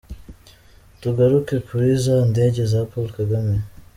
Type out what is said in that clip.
Tugaruke kuri za ndege za Paul Kagame.